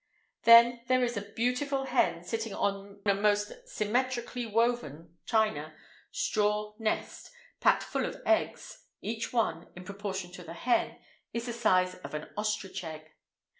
Then there is a beautiful hen sitting on a most symmetrically woven (china) straw nest packed full of eggs (each one, in proportion to the hen, is the size of an ostrich egg).